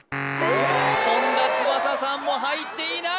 本田翼さんも入っていない！